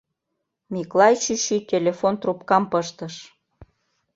— Миклай чӱчӱ телефон трубкам пыштыш.